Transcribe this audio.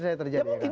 saya terjadi kan